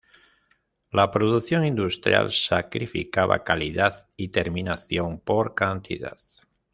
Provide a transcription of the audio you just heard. La producción industrial sacrificaba calidad y terminación por cantidad.